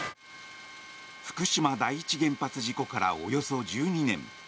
福島第一原発事故からおよそ１２年。